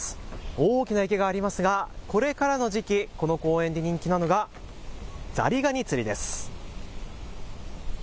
大きな池がありますがこれからの時期、この公園で人気なのがザリガニ釣りです。